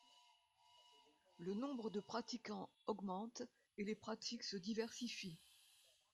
Le nombre de pratiquants augmente et les pratiques se diversifient.